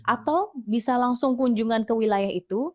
atau bisa langsung kunjungan ke wilayah itu